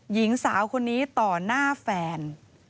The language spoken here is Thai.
หญิงสาวคนนี้ต่อหน้าแฟน